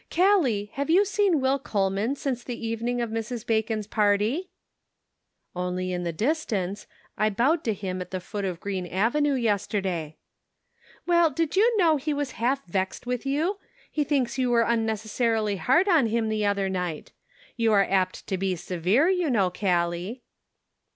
" Callie, have you seen Will Coleman since the evening of Mrs. Bacon's party ?"" Only in the distance. I bowed to him at the foot of Green Avenue yesterday." "Well, did you know he was half vexed with you? He thinks you were unnecessarily 154 2 he Pocket Measure. hard on him the other night. You are apt to be severe, you know, Gallic."